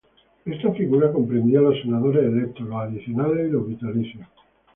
Esta figura comprendía los Senadores electos, los adicionales y los vitalicios.